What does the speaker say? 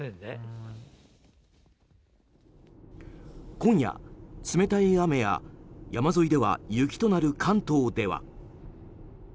今夜、冷たい雨や山沿いでは雪となる関東では。